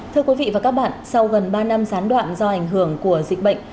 thưa quý vị và các bạn sau gần ba năm gián đoạn do ảnh hưởng của dịch bệnh